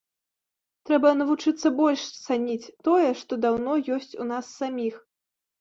Трэба навучыцца больш цаніць тое, што даўно ёсць у нас саміх.